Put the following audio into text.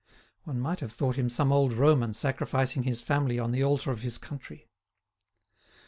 One might have thought him some old Roman sacrificing his family on the altar of his country.